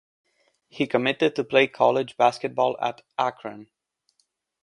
He committed to play college basketball at Akron.